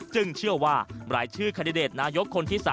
เชื่อว่ารายชื่อแคนดิเดตนายกคนที่๓